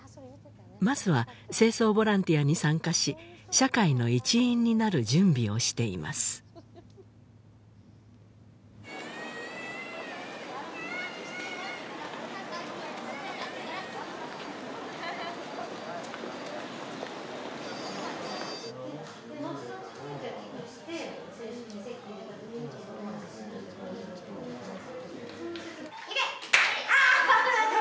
まずは清掃ボランティアに参加し社会の一員になる準備をしていますいけ！